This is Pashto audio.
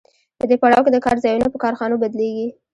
په دې پړاو کې د کار ځایونه په کارخانو بدلېږي